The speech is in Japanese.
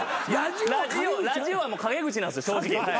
ラジオはもう陰口なんですよ正直。